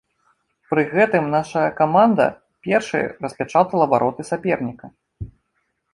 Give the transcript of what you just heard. Пры гэтым наша каманда першай распячатала вароты саперніка.